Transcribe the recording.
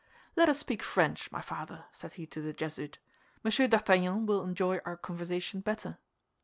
"Let us speak French, my father," said he to the Jesuit; "Monsieur d'Artagnan will enjoy our conversation better."